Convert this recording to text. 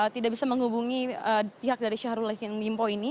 tidak bisa menghubungi pihak dari syahrul yassin limpo ini